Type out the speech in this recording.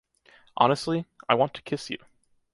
Honestly, I want to kiss you